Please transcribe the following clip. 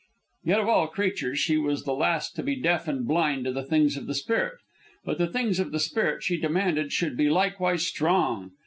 Yet of all creatures, she was the last to be deaf and blind to the things of the spirit. But the things of the spirit she demanded should be likewise strong.